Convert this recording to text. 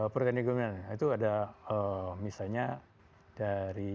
protein recombinant itu ada misalnya